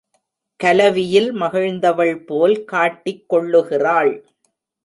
கலவியில் மகிழ்ந்தவள் போல் காட்டிக் கொள்ளுகிறாள்.